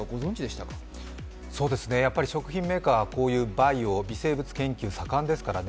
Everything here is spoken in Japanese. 食品メーカーは、バイオ、微生物研究、盛んですからね。